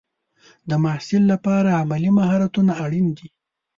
د محصل لپاره عملي مهارتونه اړین دي.